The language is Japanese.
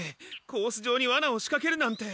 コース上にワナをしかけるなんて。